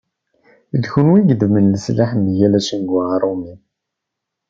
D kunwi i yeddmen leslaḥ mgal acengu arumi.